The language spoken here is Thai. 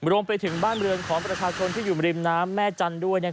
รวมไปถึงบ้านเรือนของประชาชนที่อยู่ริมน้ำแม่จันทร์ด้วย